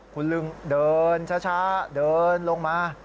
คุณลุงเดินช้าเดินลงมา